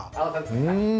うん。